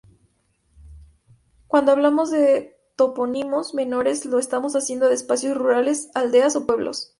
Cuando hablamos de "topónimos menores", lo estamos haciendo de espacios rurales, aldeas o pueblos...